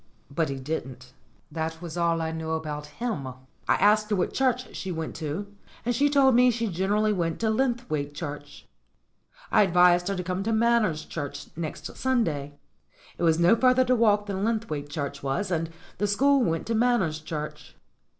But he didn't. That was all I knew about him. I asked her what church she went to, and she told me she generally went to Linthwaite Church. I advised her to come to Manners Church next Sunday; it was no farther to walk than Linthwaite Church was, and the school went to Manners Church.